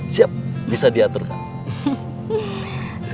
siap bisa diatur kak